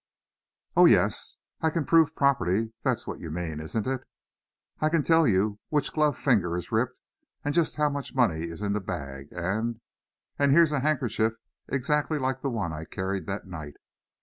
"Oh, yes, I can `prove property'; that's what you mean, isn't it? I can tell you which glove finger is ripped, and just how much money is in the bag, and and here's a handkerchief exactly like the one I carried that night.